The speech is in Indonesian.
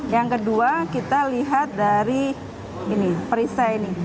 yang kedua kita lihat dari perisai ini